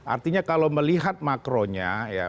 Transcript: artinya kalau melihat makronya ya